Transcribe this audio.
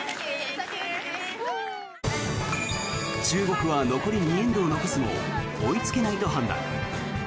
中国は残り２エンドを残すも追いつけないと判断。